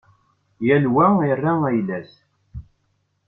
Yal wa ira ayla-s